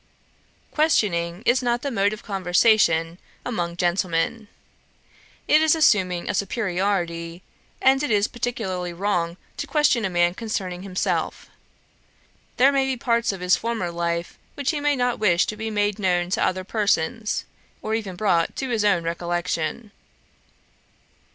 'Questioning is not the mode of conversation among gentlemen. It is assuming a superiority, and it is particularly wrong to question a man concerning himself. There may be parts of his former life which he may not wish to be made known to other persons, or even brought to his own recollection.'